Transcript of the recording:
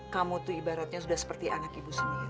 kamu tuh ibaratnya sudah seperti anak ibu sendiri